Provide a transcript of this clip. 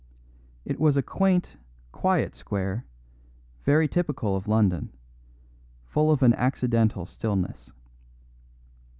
It was a quaint, quiet square, very typical of London, full of an accidental stillness.